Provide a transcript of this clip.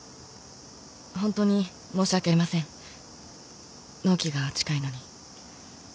ホントに申し訳ありません納期が近いのに。